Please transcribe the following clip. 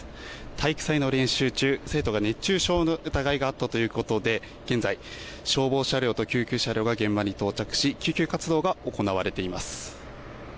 体育祭の練習中生徒が熱中症の疑いがあったということで現在、消防車両と救急車両が現場に到着し救急活動が行われています。